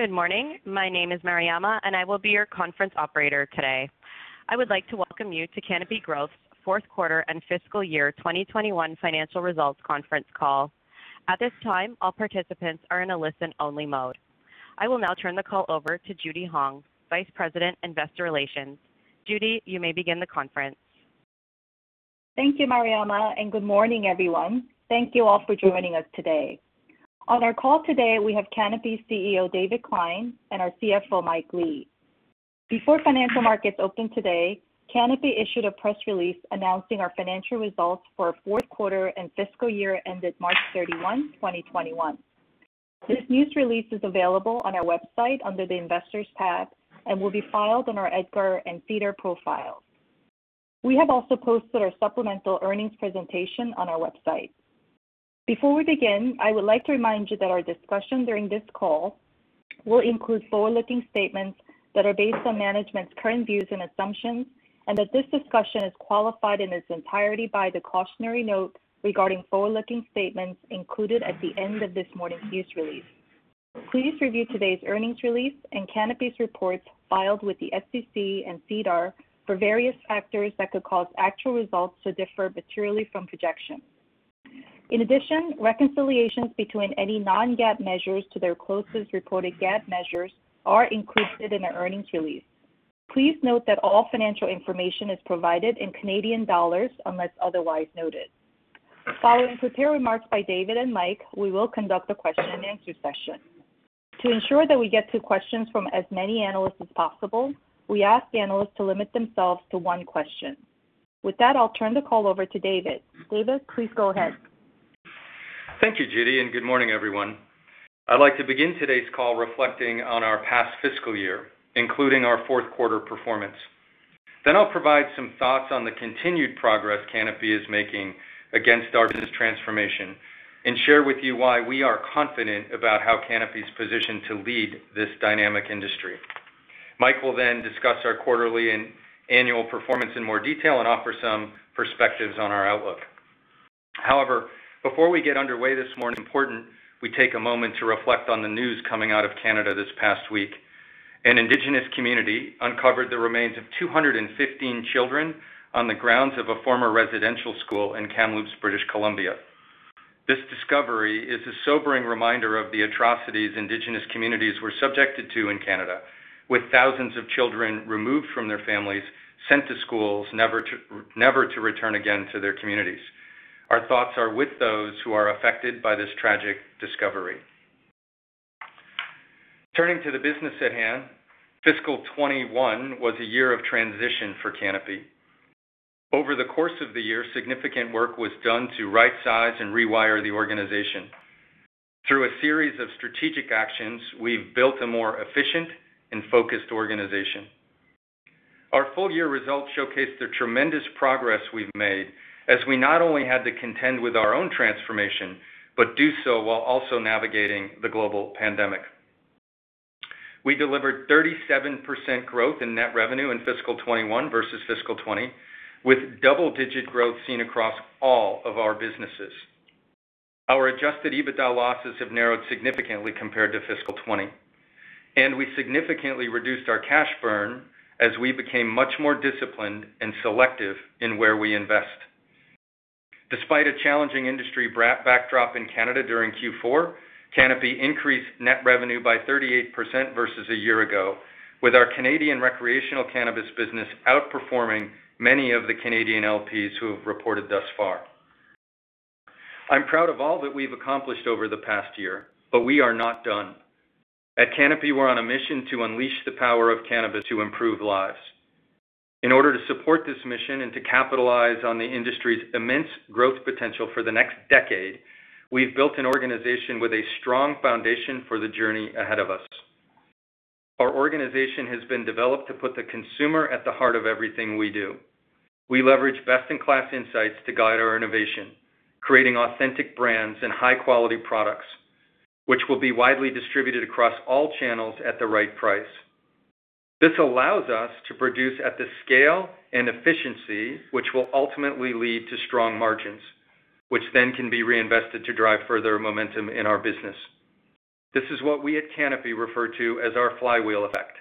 Good morning. My name is Mariama, and I will be your conference operator today. I would like to welcome you to Canopy Growth fourth quarter and fiscal year 2021 financial results conference call. At this time, all participants are in a listen-only mode. I will now turn the call over to Judy Hong, Vice President, Investor Relations. Judy, you may begin the conference. Thank you, Mariama, and good morning, everyone. Thank you all for joining us today. On our call today, we have Canopy CEO, David Klein, and our CFO, Mike Lee. Before financial markets opened today, Canopy issued a press release announcing our financial results for our fourth quarter and fiscal year ended March 31, 2021. This news release is available on our website under the Investors tab and will be filed in our EDGAR and SEDAR profiles. We have also posted our supplemental earnings presentation on our website. Before we begin, I would like to remind you that our discussion during this call will include forward-looking statements that are based on management's current views and assumptions, and that this discussion is qualified in its entirety by the cautionary note regarding forward-looking statements included at the end of this morning's news release. Please review today's earnings release and Canopy's reports filed with the SEC and SEDAR for various factors that could cause actual results to differ materially from projections. In addition, reconciliations between any non-GAAP measures to their closest reported GAAP measures are included in the earnings release. Please note that all financial information is provided in Canadian dollars unless otherwise noted. Following prepared remarks by David and Mike, we will conduct a question-and-answer session. To ensure that we get to questions from as many analysts as possible, we ask analysts to limit themselves to one question. With that, I'll turn the call over to David. David, please go ahead. Thank you, Judy. Good morning, everyone. I'd like to begin today's call reflecting on our past fiscal year, including our fourth quarter performance. I'll provide some thoughts on the continued progress Canopy is making against our business transformation and share with you why we are confident about how Canopy's positioned to lead this dynamic industry. Mike will discuss our quarterly and annual performance in more detail and offer some perspectives on our outlook. Before we get underway this morning, it's important we take a moment to reflect on the news coming out of Canada this past week. An indigenous community uncovered the remains of 215 children on the grounds of a former residential school in Kamloops, British Columbia. This discovery is a sobering reminder of the atrocities indigenous communities were subjected to in Canada, with thousands of children removed from their families, sent to schools never to return again to their communities. Our thoughts are with those who are affected by this tragic discovery. Turning to the business at hand, fiscal 2021 was a year of transition for Canopy. Over the course of the year, significant work was done to rightsize and rewire the organization. Through a series of strategic actions, we've built a more efficient and focused organization. Our full-year results showcase the tremendous progress we've made as we not only had to contend with our own transformation, but do so while also navigating the global pandemic. We delivered 37% growth in net revenue in fiscal 2021 versus fiscal 2020, with double-digit growth seen across all of our businesses. Our adjusted EBITDA losses have narrowed significantly compared to fiscal 2020, and we significantly reduced our cash burn as we became much more disciplined and selective in where we invest. Despite a challenging industry backdrop in Canada during Q4, Canopy increased net revenue by 38% versus a year ago, with our Canadian recreational cannabis business outperforming many of the Canadian LPs who have reported thus far. I'm proud of all that we've accomplished over the past year. We are not done. At Canopy, we're on a mission to unleash the power of cannabis to improve lives. In order to support this mission and to capitalize on the industry's immense growth potential for the next decade, we've built an organization with a strong foundation for the journey ahead of us. Our organization has been developed to put the consumer at the heart of everything we do. We leverage best-in-class insights to guide our innovation, creating authentic brands and high-quality products, which will be widely distributed across all channels at the right price. This allows us to produce at the scale and efficiency which will ultimately lead to strong margins, which then can be reinvested to drive further momentum in our business. This is what we at Canopy refer to as our flywheel effect.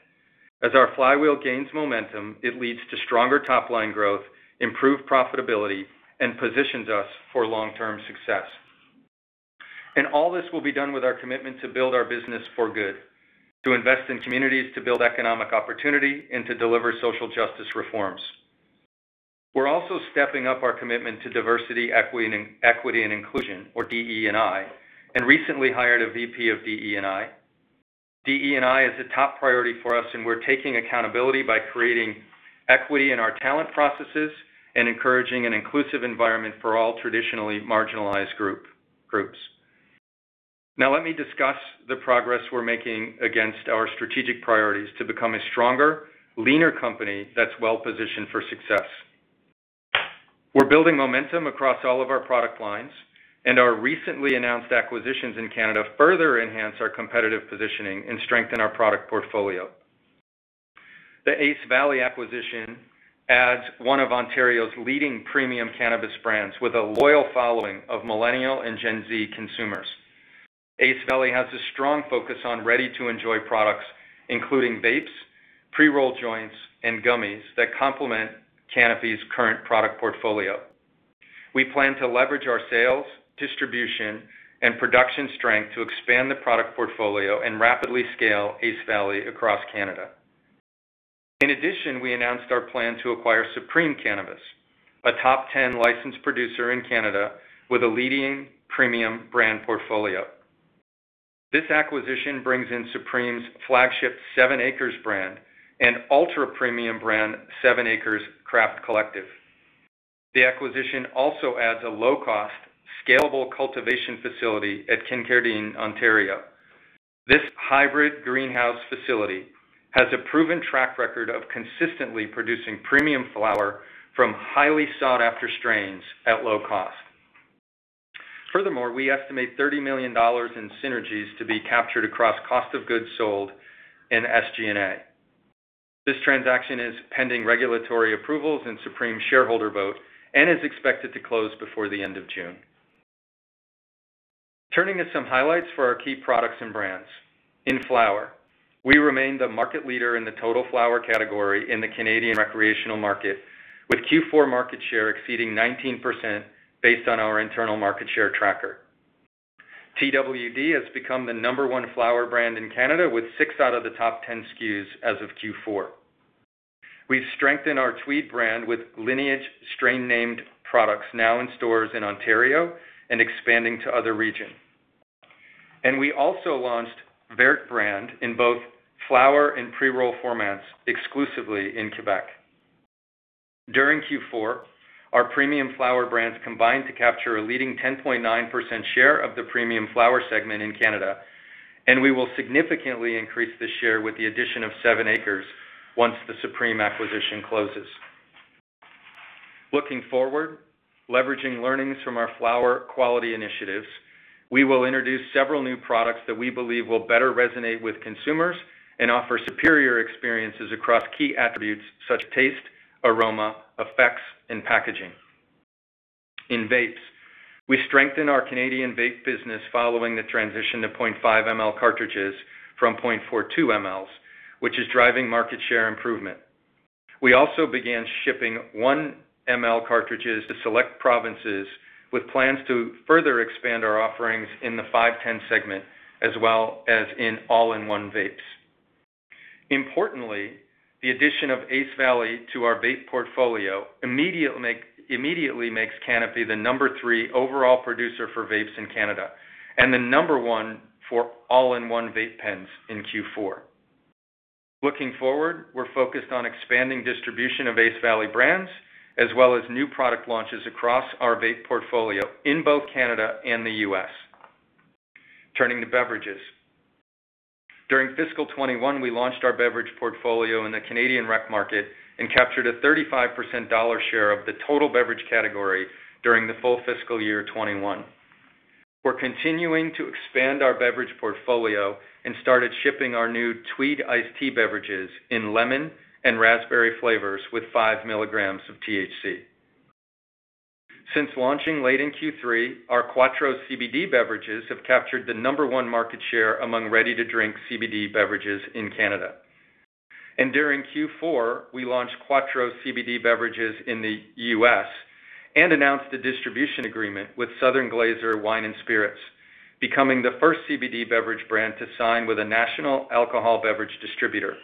As our flywheel gains momentum, it leads to stronger top-line growth, improved profitability, and positions us for long-term success. All this will be done with our commitment to build our business for good, to invest in communities to build economic opportunity, and to deliver social justice reforms. We're also stepping up our commitment to diversity, equity, and inclusion, or DE&I, and recently hired a VP of DE&I. DE&I is a top priority for us, and we're taking accountability by creating equity in our talent processes and encouraging an inclusive environment for all traditionally marginalized groups. Now let me discuss the progress we're making against our strategic priorities to become a stronger, leaner company that's well-positioned for success. We're building momentum across all of our product lines, and our recently announced acquisitions in Canada further enhance our competitive positioning and strengthen our product portfolio. The Ace Valley acquisition adds one of Ontario's leading premium cannabis brands with a loyal following of Millennial and Gen Z consumers. Ace Valley has a strong focus on ready-to-enjoy products, including vapes, pre-rolled joints, and gummies that complement Canopy's current product portfolio. We plan to leverage our sales, distribution, and production strength to expand the product portfolio and rapidly scale Ace Valley across Canada. We announced our plan to acquire Supreme Cannabis, a top 10 licensed producer in Canada with a leading premium brand portfolio. This acquisition brings in Supreme's flagship 7ACRES brand and ultra-premium brand, 7ACRES Craft Collective. The acquisition also adds a low-cost, scalable cultivation facility at Kincardine, Ontario. This hybrid greenhouse facility has a proven track record of consistently producing premium flower from highly sought-after strains at low cost. We estimate 30 million dollars in synergies to be captured across cost of goods sold and SG&A. This transaction is pending regulatory approvals and Supreme shareholder vote and is expected to close before the end of June. Turning to some highlights for our key products and brands. In flower, we remain the market leader in the total flower category in the Canadian recreational market, with Q4 market share exceeding 19% based on our internal market share tracker. Twd. has become the number one flower brand in Canada, with six out of the top 10 SKUs as of Q4. We've strengthened our Tweed brand with lineage strain-named products now in stores in Ontario and expanding to other regions. We also launched Vert brand in both flower and pre-roll formats exclusively in Quebec. During Q4, our premium flower brands combined to capture a leading 10.9% share of the premium flower segment in Canada, and we will significantly increase this share with the addition of 7ACRES once the Supreme acquisition closes. Looking forward, leveraging learnings from our flower quality initiatives, we will introduce several new products that we believe will better resonate with consumers and offer superior experiences across key attributes such as taste, aroma, effects, and packaging. In vapes, we strengthened our Canadian vape business following the transition to 0.5 mL cartridges from 0.42 mL, which is driving market share improvement. We also began shipping 1 mL cartridges to select provinces with plans to further expand our offerings in the 510 segment, as well as in all-in-one vapes. Importantly, the addition of Ace Valley to our vape portfolio immediately makes Canopy the number three overall producer for vapes in Canada and the number one for all-in-one vape pens in Q4. Looking forward, we're focused on expanding distribution of Ace Valley brands, as well as new product launches across our vape portfolio in both Canada and the U.S. Turning to beverages. During fiscal 2021, we launched our beverage portfolio in the Canadian rec market and captured a 35% dollar share of the total beverage category during the full fiscal year 2021. We're continuing to expand our beverage portfolio and started shipping our new Tweed Iced Tea beverages in lemon and raspberry flavors with 5 mg of THC. Since launching late in Q3, our Quatreau CBD beverages have captured the number one market share among ready-to-drink CBD beverages in Canada. During Q4, we launched Quatreau CBD beverages in the U.S. and announced a distribution agreement with Southern Glazer's Wine & Spirits, becoming the first CBD beverage brand to sign with a national alcohol beverage distributor.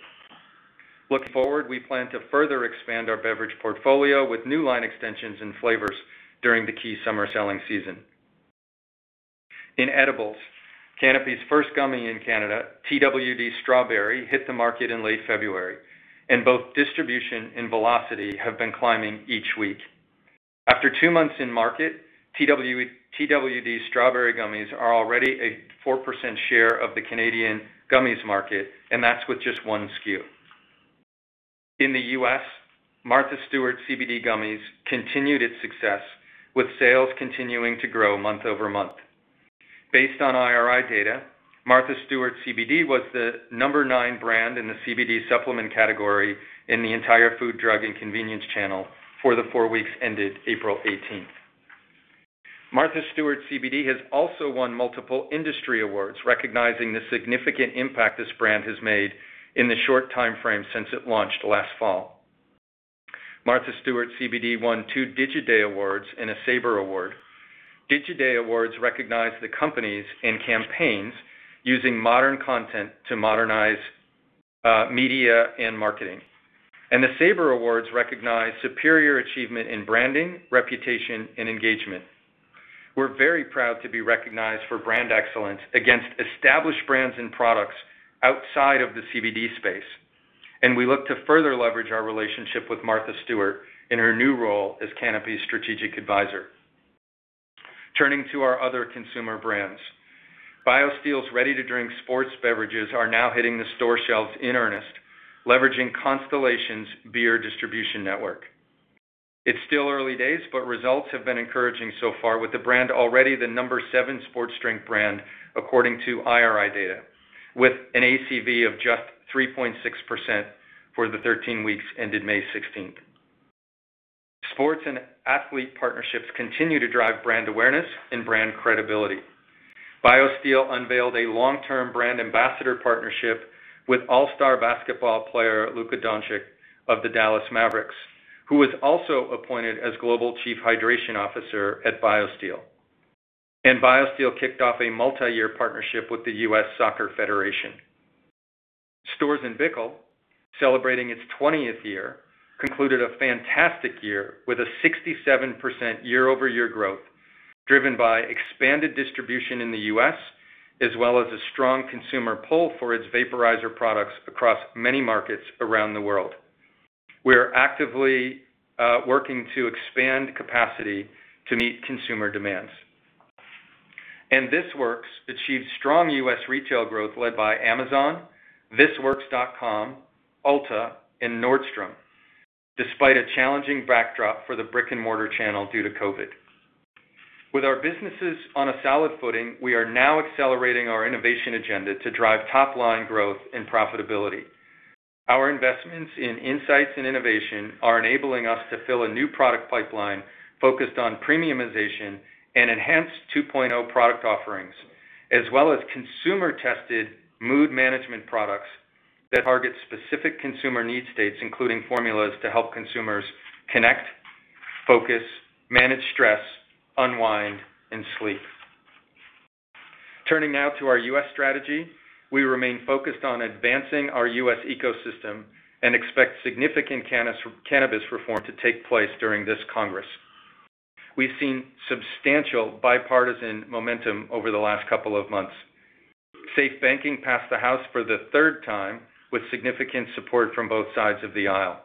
Looking forward, we plan to further expand our beverage portfolio with new line extensions and flavors during the key summer selling season. In edibles, Canopy's first gummy in Canada, Twd. Strawberry, hit the market in late February. Both distribution and velocity have been climbing each week. After two months in market, Twd. Strawberry gummies are already a 4% share of the Canadian gummies market, and that's with just one SKU. In the U.S., Martha Stewart CBD Gummies continued its success, with sales continuing to grow month-over-month. Based on IRI data, Martha Stewart CBD was the number nine brand in the CBD supplement category in the entire food, drug, and convenience channel for the four weeks ended April 18th. Martha Stewart CBD has also won multiple industry awards recognizing the significant impact this brand has made in the short timeframe since it launched last fall. Martha Stewart CBD won two Digiday Awards and a SABRE Award. Digiday Awards recognize the companies and campaigns using modern content to modernize media and marketing. The SABRE Awards recognize superior achievement in branding, reputation, and engagement. We're very proud to be recognized for brand excellence against established brands and products outside of the CBD space, and we look to further leverage our relationship with Martha Stewart in her new role as Canopy's strategic advisor. Turning to our other consumer brands. BioSteel's ready-to-drink sports beverages are now hitting the store shelves in earnest, leveraging Constellation's beer distribution network. It's still early days, but results have been encouraging so far, with the brand already the number seven sports drink brand according to IRI data, with an ACV of just 3.6% for the 13 weeks ended May 16th. Sports and athlete partnerships continue to drive brand awareness and brand credibility. BioSteel unveiled a long-term brand ambassador partnership with all-star basketball player Luka Dončić of the Dallas Mavericks, who was also appointed as Global Chief Hydration Officer at BioSteel. BioSteel kicked off a multi-year partnership with the U.S. Soccer Federation. STORZ & BICKEL, celebrating its 20th year, concluded a fantastic year with a 67% year-over-year growth, driven by expanded distribution in the U.S. as well as a strong consumer pull for its vaporizer products across many markets around the world. We are actively working to expand capacity to meet consumer demands. This Works achieved strong U.S. retail growth led by Amazon, thisworks.com, Ulta, and Nordstrom, despite a challenging backdrop for the brick-and-mortar channel due to COVID. With our businesses on a solid footing, we are now accelerating our innovation agenda to drive top-line growth and profitability. Our investments in insights and innovation are enabling us to fill a new product pipeline focused on premiumization and enhanced 2.0 product offerings, as well as consumer-tested mood management products that target specific consumer need states, including formulas to help consumers connect, focus, manage stress, unwind, and sleep. Turning now to our U.S. strategy, we remain focused on advancing our U.S. ecosystem and expect significant cannabis reform to take place during this Congress. We've seen substantial bipartisan momentum over the last couple of months. SAFE Banking passed the House for the third time with significant support from both sides of the aisle.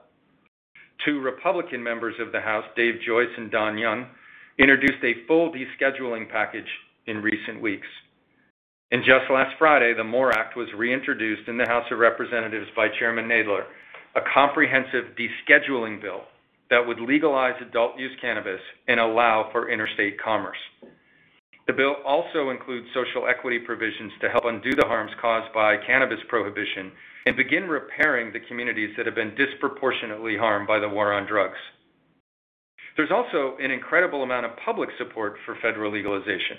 Two Republican members of the House, Dave Joyce and Don Young, introduced a full descheduling package in recent weeks. Just last Friday, the MORE Act was reintroduced in the House of Representatives by Chairman Nadler, a comprehensive descheduling bill that would legalize adult use cannabis and allow for interstate commerce. The bill also includes social equity provisions to help undo the harms caused by cannabis prohibition and begin repairing the communities that have been disproportionately harmed by the War on Drugs. There's also an incredible amount of public support for federal legalization.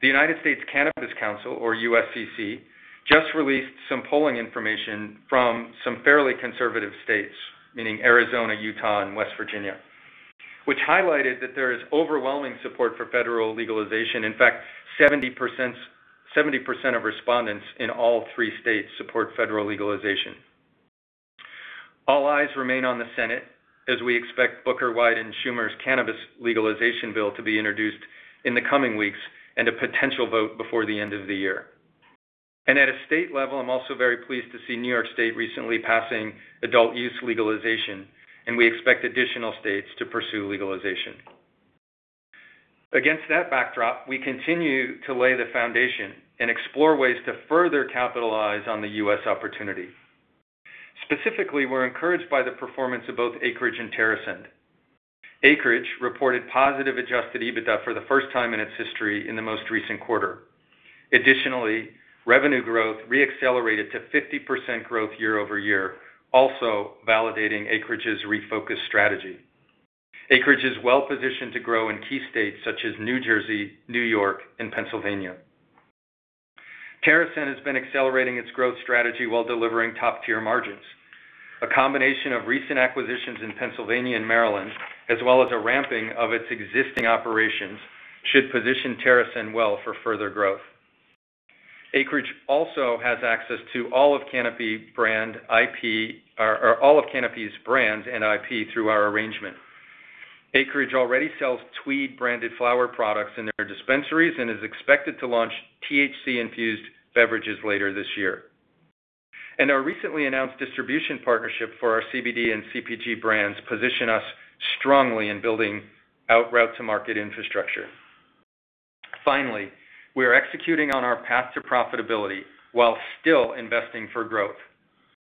The United States Cannabis Council, or USCC, just released some polling information from some fairly conservative states, meaning Arizona, Utah, and West Virginia, which highlighted that there is overwhelming support for federal legalization. In fact, 70% of respondents in all three states support federal legalization. All eyes remain on the Senate as we expect Booker, Wyden, and Schumer's cannabis legalization bill to be introduced in the coming weeks and a potential vote before the end of the year. At a state level, I'm also very pleased to see New York State recently passing adult-use legalization, and we expect additional states to pursue legalization. Against that backdrop, we continue to lay the foundation and explore ways to further capitalize on the U.S. opportunity. Specifically, we're encouraged by the performance of both Acreage and TerrAscend. Acreage reported positive adjusted EBITDA for the first time in its history in the most recent quarter. Additionally, revenue growth re-accelerated to 50% growth year-over-year, also validating Acreage's refocused strategy. Acreage is well-positioned to grow in key states such as New Jersey, New York, and Pennsylvania. TerrAscend has been accelerating its growth strategy while delivering top-tier margins. A combination of recent acquisitions in Pennsylvania and Maryland, as well as a ramping of its existing operations, should position TerrAscend well for further growth. Acreage also has access to all of Canopy's brands and IP through our arrangement. Acreage already sells Tweed-branded flower products in their dispensaries and is expected to launch THC-infused beverages later this year. Our recently announced distribution partnership for our CBD and CPG brands position us strongly in building out route-to-market infrastructure. Finally, we are executing on our path to profitability while still investing for growth.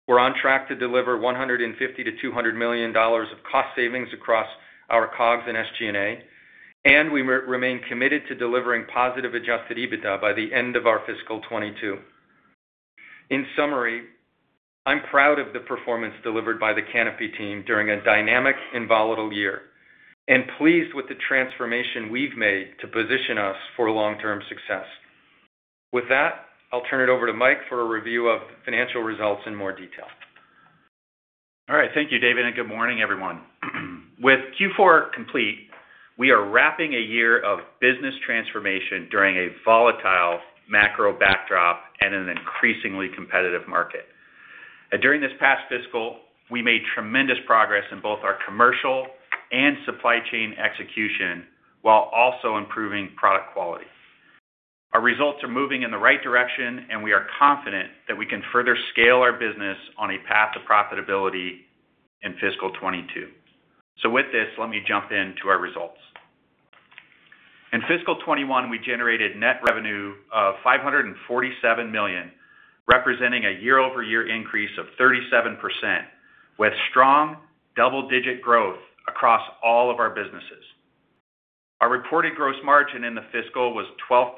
We're on track to deliver 150 million-200 million dollars of cost savings across our COGS and SG&A, and we remain committed to delivering positive adjusted EBITDA by the end of our FY 2022. In summary, I'm proud of the performance delivered by the Canopy team during a dynamic and volatile year, and pleased with the transformation we've made to position us for long-term success. With that, I'll turn it over to Mike for a review of the financial results in more detail. All right. Thank you, David, and good morning, everyone. With Q4 complete, we are wrapping a year of business transformation during a volatile macro backdrop and an increasingly competitive market. During this past fiscal, we made tremendous progress in both our commercial and supply chain execution while also improving product quality. Our results are moving in the right direction, and we are confident that we can further scale our business on a path to profitability in fiscal 2022. With this, let me jump into our results. In fiscal 2021, we generated net revenue of 547 million, representing a year-over-year increase of 37%, with strong double-digit growth across all of our businesses. Our reported gross margin in the fiscal was 12%,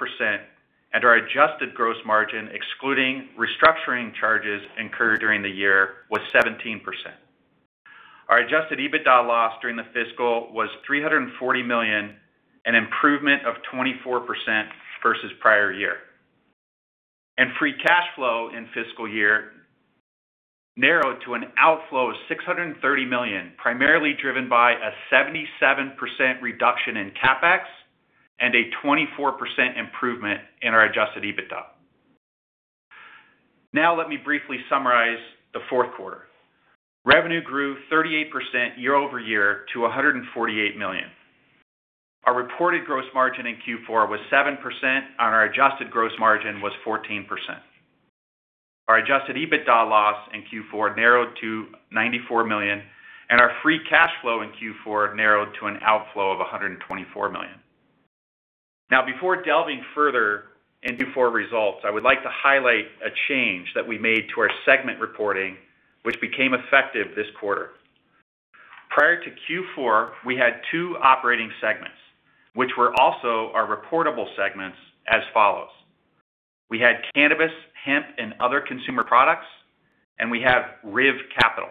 and our adjusted gross margin, excluding restructuring charges incurred during the year, was 17%. Our adjusted EBITDA loss during the fiscal year was 340 million, an improvement of 24% versus prior year. Free cash flow in fiscal year narrowed to an outflow of 630 million, primarily driven by a 77% reduction in CapEx and a 24% improvement in our adjusted EBITDA. Now let me briefly summarize the fourth quarter. Revenue grew 38% year-over-year to 148 million. Our reported gross margin in Q4 was 7%, and our adjusted gross margin was 14%. Our adjusted EBITDA loss in Q4 narrowed to 94 million, and our free cash flow in Q4 narrowed to an outflow of 124 million. Now, before delving further into Q4 results, I would like to highlight a change that we made to our segment reporting, which became effective this quarter. Prior to Q4, we had two operating segments, which were also our reportable segments, as follows. We had cannabis, hemp, and Other Consumer Products, and we had RIV Capital.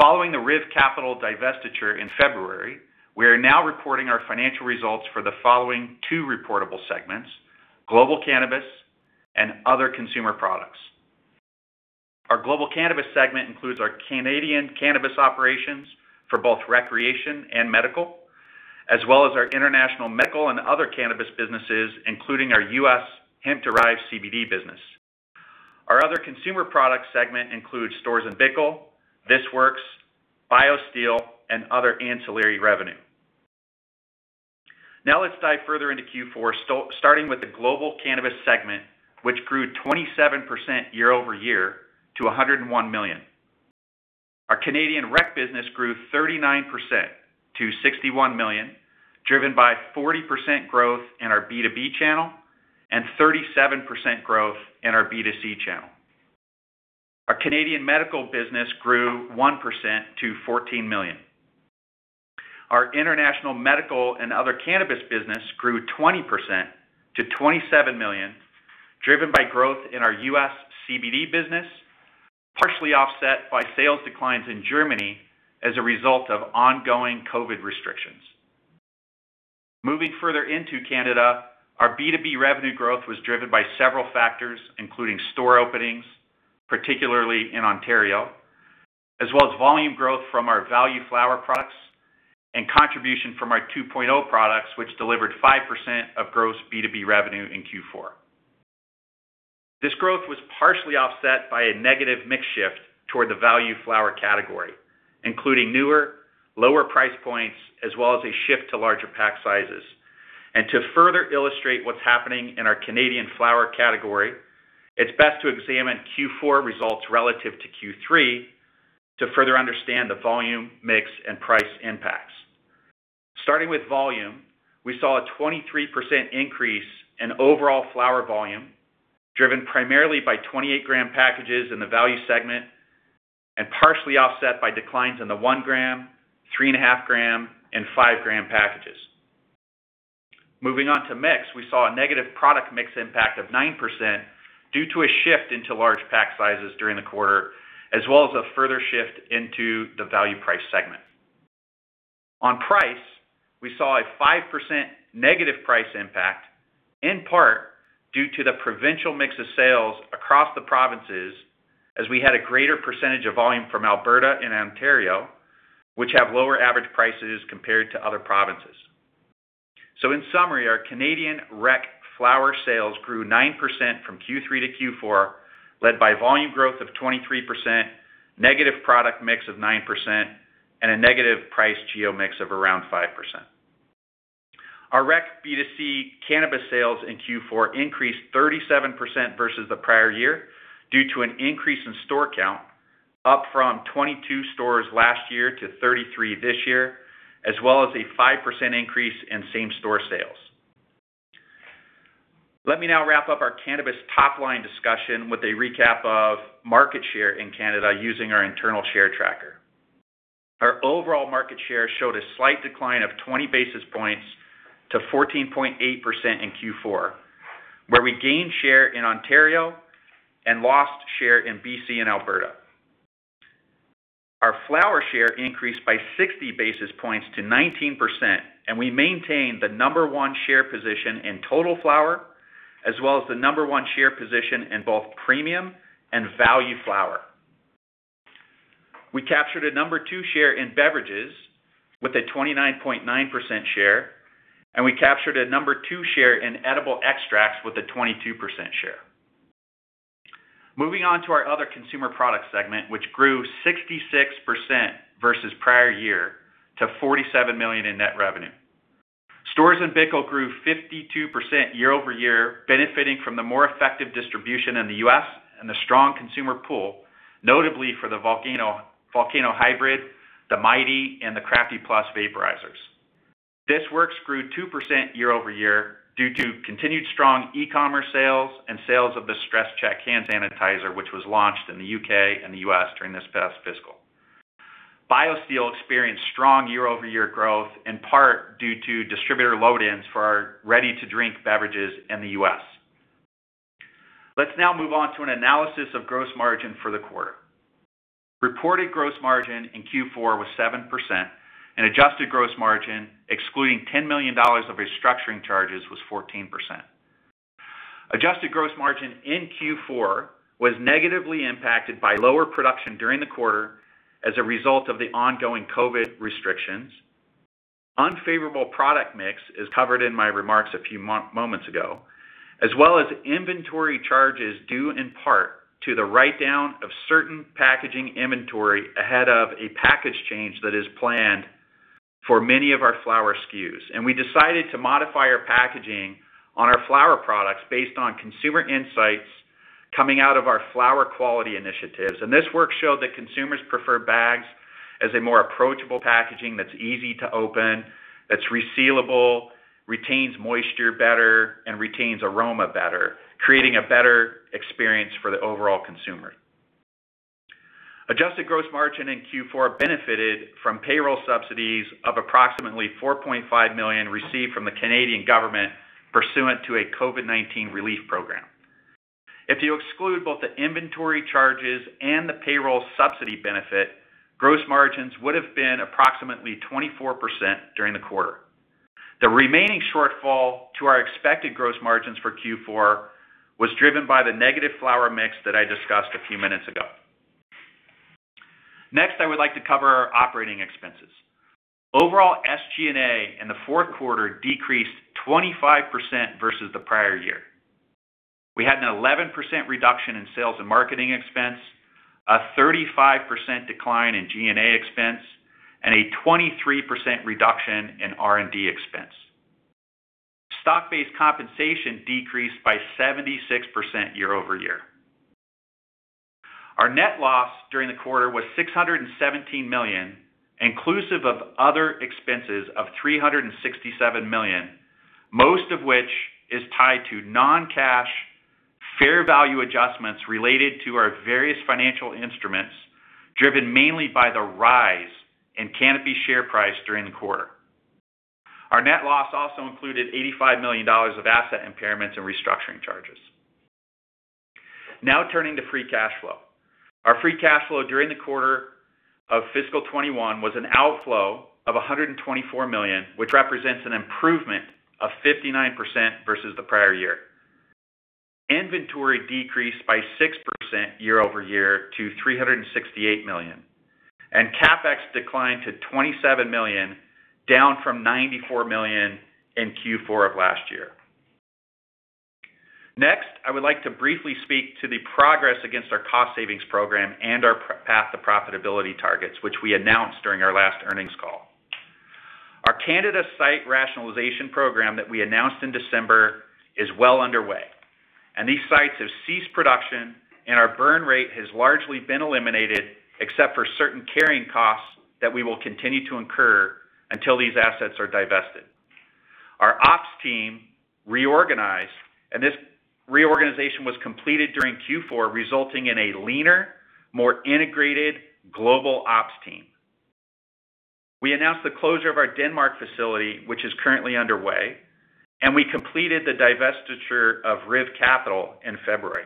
Following the RIV Capital divestiture in February, we are now reporting our financial results for the following two reportable segments: Global Cannabis and Other Consumer Products. Our Global Cannabis segment includes our Canadian cannabis operations for both recreation and medical, as well as our international medical and other cannabis businesses, including our U.S. hemp-derived CBD business. Our Other Consumer Products segment includes STORZ & BICKEL, This Works, BioSteel, and other ancillary revenue. Now let's dive further into Q4, starting with the Global Cannabis segment, which grew 27% year-over-year to 101 million. Our Canadian rec business grew 39% to 61 million, driven by 40% growth in our B2B channel and 37% growth in our B2C channel. Our Canadian medical business grew 1% to 14 million. Our international medical and other cannabis business grew 20% to 27 million, driven by growth in our U.S. CBD business, partially offset by sales declines in Germany as a result of ongoing COVID-19 restrictions. Moving further into Canada, our B2B revenue growth was driven by several factors, including store openings, particularly in Ontario, as well as volume growth from our value flower products and contribution from our 2.0 products, which delivered 5% of gross B2B revenue in Q4. This growth was partially offset by a negative mix shift toward the value flower category, including newer, lower price points, as well as a shift to larger pack sizes. To further illustrate what's happening in our Canadian flower category, it's best to examine Q4 results relative to Q3 to further understand the volume, mix, and price impacts. Starting with volume, we saw a 23% increase in overall flower volume, driven primarily by 28 g packages in the value segment, and partially offset by declines in the 1 g, 3.5 g, and 5 g packages. Moving on to mix, we saw a negative product mix impact of 9% due to a shift into large pack sizes during the quarter, as well as a further shift into the value price segment. On price, we saw a 5% negative price impact, in part due to the provincial mix of sales across the provinces, as we had a greater percentage of volume from Alberta and Ontario, which have lower average prices compared to other provinces. In summary, our Canadian rec flower sales grew 9% from Q3 to Q4, led by volume growth of 23%, negative product mix of 9%, and a negative price geo mix of around 5%. Our rec B2C cannabis sales in Q4 increased 37% versus the prior year due to an increase in store count, up from 22 stores last year to 33 this year, as well as a 5% increase in same-store sales. Let me now wrap up our cannabis top-line discussion with a recap of market share in Canada using our internal share tracker. Our overall market share showed a slight decline of 20 basis points to 14.8% in Q4, where we gained share in Ontario and lost share in BC and Alberta. Our flower share increased by 60 basis points to 19%, and we maintained the number one share position in total flower, as well as the number one share position in both premium and value flower. We captured a number two share in beverages with a 29.9% share, we captured a number two share in edible extracts with a 22% share. Moving on to our Other Consumer Products segment, which grew 66% versus prior year to 47 million in net revenue. STORZ & BICKEL grew 52% year-over-year, benefiting from the more effective distribution in the U.S. and the strong consumer pull. Notably for the VOLCANO HYBRID, the MIGHTY, and the CRAFTY+ vaporizers. This Works grew 2% year-over-year due to continued strong e-commerce sales and sales of the Stress Check Clean Hands, which was launched in the U.K. and the U.S. during this past fiscal. BioSteel experienced strong year-over-year growth in part due to distributor load-ins for our ready-to-drink beverages in the U.S. Let's now move on to an analysis of gross margin for the quarter. Reported gross margin in Q4 was 7%, and adjusted gross margin, excluding 10 million dollars of restructuring charges, was 14%. Adjusted gross margin in Q4 was negatively impacted by lower production during the quarter as a result of the ongoing COVID-19 restrictions. Unfavorable product mix is covered in my remarks a few moments ago, as well as inventory charges due in part to the write-down of certain packaging inventory ahead of a package change that is planned for many of our flower SKUs. We decided to modify our packaging on our flower products based on consumer insights coming out of our flower quality initiatives. This work showed that consumers prefer bags as a more approachable packaging that's easy to open, that's resealable, retains moisture better, and retains aroma better, creating a better experience for the overall consumer. Adjusted gross margin in Q4 benefited from payroll subsidies of approximately 4.5 million received from the Canadian government pursuant to a COVID-19 relief program. If you exclude both the inventory charges and the payroll subsidy benefit, gross margins would have been approximately 24% during the quarter. The remaining shortfall to our expected gross margins for Q4 was driven by the negative flower mix that I discussed a few minutes ago. Next, I would like to cover our operating expenses. Overall, SG&A in the fourth quarter decreased 25% versus the prior year. We had an 11% reduction in sales and marketing expense, a 35% decline in G&A expense, and a 23% reduction in R&D expense. Stock-based compensation decreased by 76% year-over-year. Our net loss during the quarter was 617 million, inclusive of other expenses of 367 million, most of which is tied to non-cash, fair value adjustments related to our various financial instruments, driven mainly by the rise in Canopy share price during the quarter. Our net loss also included 85 million dollars of asset impairments and restructuring charges. Now turning to free cash flow. Our free cash flow during the quarter of fiscal 2021 was an outflow of 124 million, which represents an improvement of 59% versus the prior year. Inventory decreased by 6% year-over-year to 368 million, and CapEx declined to 27 million, down from 94 million in Q4 of last year. Next, I would like to briefly speak to the progress against our cost savings program and our path to profitability targets, which we announced during our last earnings call. Our Canada site rationalization program that we announced in December is well underway, and these sites have ceased production, and our burn rate has largely been eliminated, except for certain carrying costs that we will continue to incur until these assets are divested. Our ops team reorganized. This reorganization was completed during Q4, resulting in a leaner, more integrated global ops team. We announced the closure of our Denmark facility, which is currently underway. We completed the divestiture of RIV Capital in February.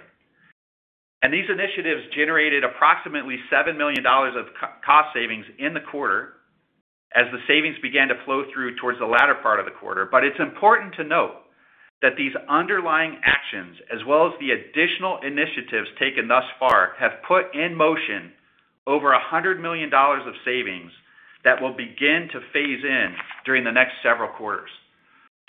These initiatives generated approximately 7 million dollars of cost savings in the quarter as the savings began to flow through towards the latter part of the quarter. It's important to note that these underlying actions, as well as the additional initiatives taken thus far, have put in motion over 100 million dollars of savings that will begin to phase in during the next several quarters.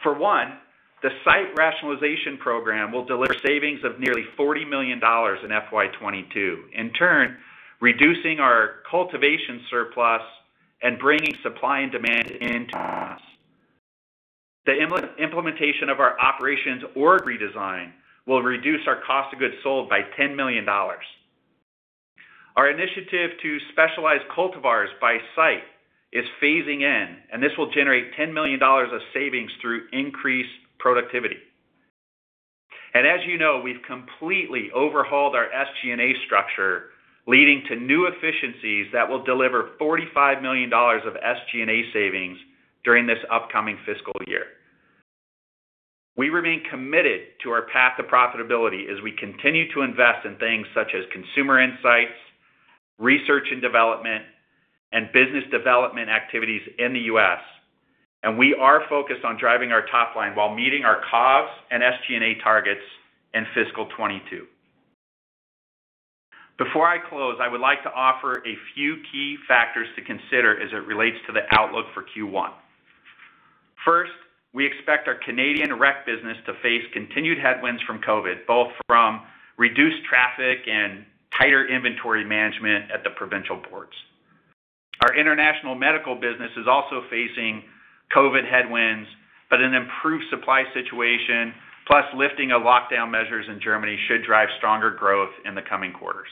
For one, the Site Rationalization Program will deliver savings of nearly 40 million dollars in FY 2022, in turn, reducing our cultivation surplus and bringing supply and demand into balance. The implementation of our Operations Org Redesign will reduce our cost of goods sold by 10 million dollars. Our Initiative to Specialize Cultivars by Site is phasing in, and this will generate 10 million dollars of savings through increased productivity. As you know, we've completely overhauled our SG&A structure, leading to new efficiencies that will deliver 45 million dollars of SG&A savings during this upcoming fiscal year. We remain committed to our path of profitability as we continue to invest in things such as consumer insights, research and development, and business development activities in the U.S. We are focused on driving our top line while meeting our COGS and SG&A targets in fiscal 2022. Before I close, I would like to offer a few key factors to consider as it relates to the outlook for Q1. First, we expect our Canadian rec business to face continued headwinds from COVID, both from reduced traffic and tighter inventory management at the provincial boards. Our international medical business is also facing COVID headwinds. An improved supply situation, plus lifting of lockdown measures in Germany should drive stronger growth in the coming quarters.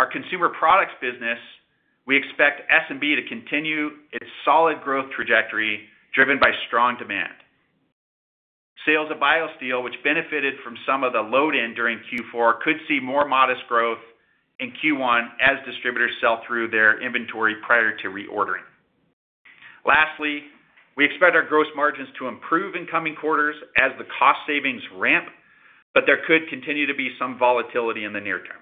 Our consumer products business, we expect S&B to continue its solid growth trajectory driven by strong demand. Sales of BioSteel, which benefited from some of the load-in during Q4, could see more modest growth in Q1 as distributors sell through their inventory prior to reordering. Lastly, we expect our gross margins to improve in coming quarters as the cost savings ramp, but there could continue to be some volatility in the near term.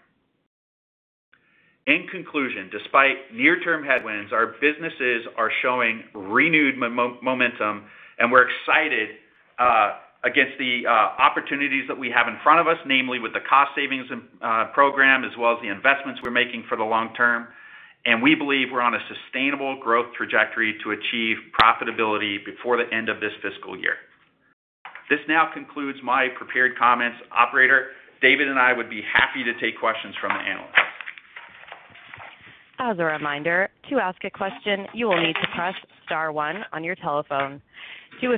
In conclusion, despite near-term headwinds, our businesses are showing renewed momentum. We're excited against the opportunities that we have in front of us, namely with the cost savings program, as well as the investments we're making for the long term. We believe we're on a sustainable growth trajectory to achieve profitability before the end of this fiscal year. This now concludes my prepared comments. Operator, David and I would be happy to take questions from the analysts. As a reminder, to ask a question, you will need to press star one on your telephone. To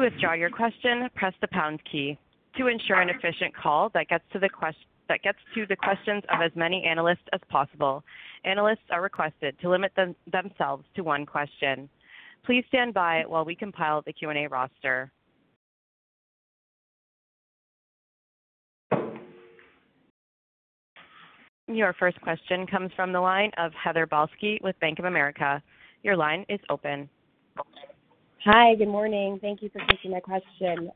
withdraw your question, press the pound key. To ensure an efficient call that gets to the questions of as many analysts as possible, analysts are requested to limit themselves to one question. Please stand by while we compile the Q&A roster. Your first question comes from the line of Heather Balsky with Bank of America. Your line is open. Hi. Good morning. Thank you for taking my question.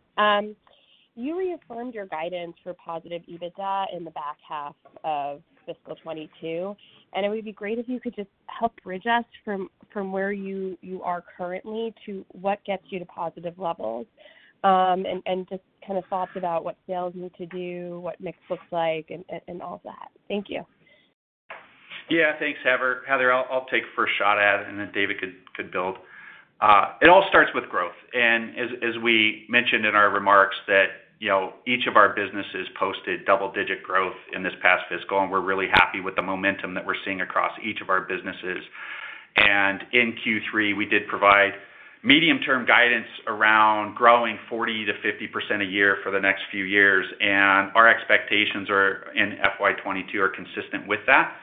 You reaffirmed your guidance for positive EBITDA in the back half of FY 2022, and it would be great if you could just help bridge us from where you are currently to what gets you to positive levels, and just kind of talk about what sales need to do, what mix looks like, and all that. Thank you. Thanks, Heather. I'll take first shot at it, and then David could build. It all starts with growth. As we mentioned in our remarks that each of our businesses posted double-digit growth in this past fiscal, and we're really happy with the momentum that we're seeing across each of our businesses. In Q3, we did provide medium-term guidance around growing 40%-50% a year for the next few years, and our expectations in FY 2022 are consistent with that.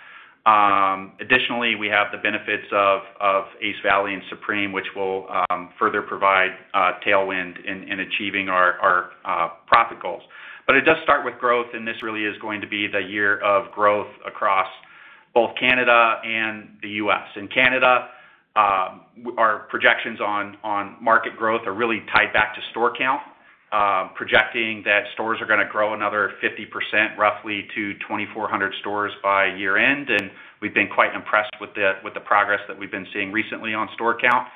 Additionally, we have the benefits of Ace Valley and Supreme, which will further provide tailwind in achieving our profit goals. It does start with growth, and this really is going to be the year of growth across both Canada and the U.S. In Canada, our projections on market growth are really tied back to store count, projecting that stores are going to grow another 50%, roughly to 2,400 stores by year-end. We've been quite impressed with the progress that we've been seeing recently on store count.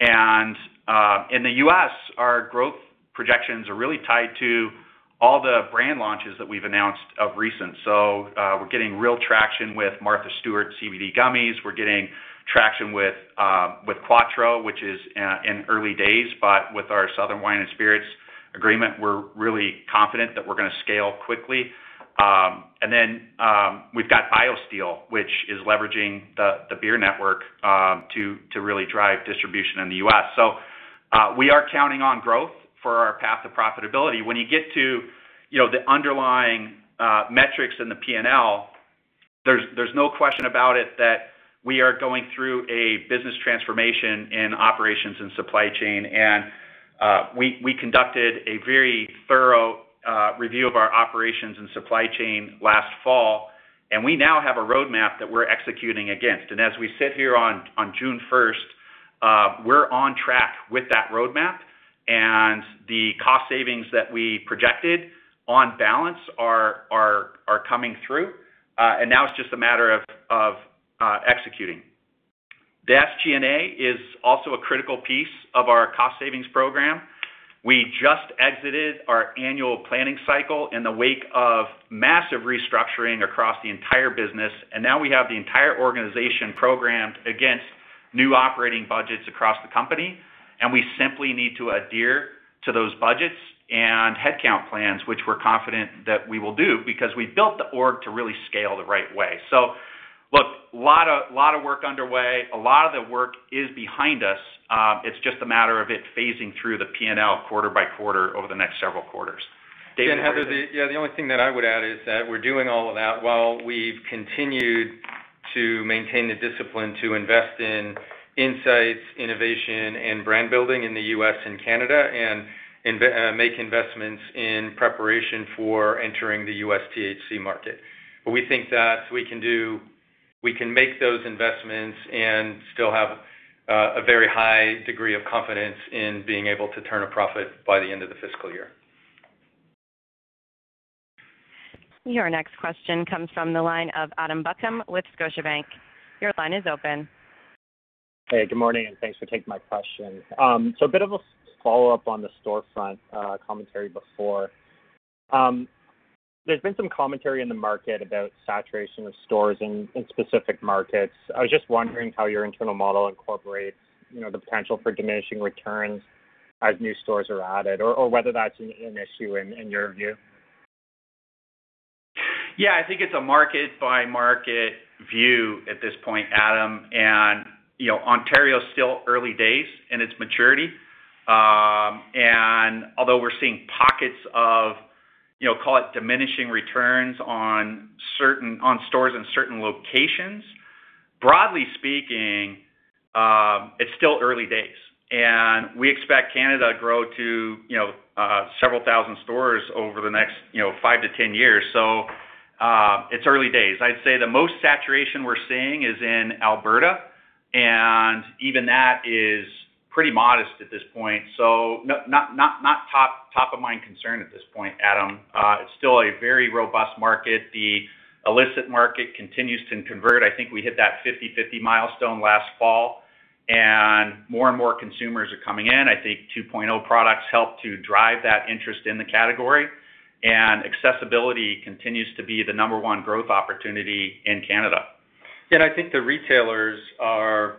In the U.S., our growth projections are really tied to all the brand launches that we've announced of recent. We're getting real traction with Martha Stewart CBD Gummies. We're getting traction with Quatreau, which is in early days, but with our Southern Glazer's Wine & Spirits agreement, we're really confident that we're going to scale quickly. Then, we've got BioSteel, which is leveraging the beer network to really drive distribution in the U.S. We are counting on growth for our path to profitability. When you get to the underlying metrics in the P&L, there's no question about it that we are going through a business transformation in operations and supply chain. We conducted a very thorough review of our operations and supply chain last fall, and we now have a roadmap that we're executing against. As we sit here on June 1st, we're on track with that roadmap, and the cost savings that we projected on balance are coming through. Now it's just a matter of executing. The SG&A is also a critical piece of our cost savings program. We just exited our annual planning cycle in the wake of massive restructuring across the entire business, and now we have the entire organization programmed against new operating budgets across the company. We simply need to adhere to those budgets and headcount plans, which we're confident that we will do because we built the org to really scale the right way. Look, a lot of work underway. A lot of the work is behind us. It's just a matter of it phasing through the P&L quarter by quarter over the next several quarters. David? Yeah, Heather, the only thing that I would add is that we're doing all of that while we've continued to maintain the discipline to invest in insights, innovation, and brand building in the U.S. and Canada and make investments in preparation for entering the U.S. THC market. We think that we can make those investments and still have a very high degree of confidence in being able to turn a profit by the end of the fiscal year. Your next question comes from the line of Adam Buckham with Scotiabank. Your line is open. Good morning. Thanks for taking my question. A bit of a follow-up on the storefront commentary before. There has been some commentary in the market about saturation of stores in specific markets. I was just wondering how your internal model incorporates the potential for diminishing returns? As new stores are added, or whether that's an issue in your view? I think it's a market-by-market view at this point, Adam. Ontario is still early days in its maturity. Although we're seeing pockets of call it diminishing returns on stores in certain locations, broadly speaking, it's still early days. We expect Canada to grow to several thousand stores over the next 5-10 years, so it's early days. I'd say the most saturation we're seeing is in Alberta, and even that is pretty modest at this point. Not top-of-mind concern at this point, Adam. It's still a very robust market. The illicit market continues to convert. I think we hit that 50/50 milestone last fall, and more and more consumers are coming in. I think 2.0 products help to drive that interest in the category, and accessibility continues to be the number one growth opportunity in Canada. I think the retailers are